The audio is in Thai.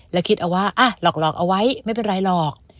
แล้วคิดเอาว่าหลอกเอาไว้ไม่เป็นไรหรอก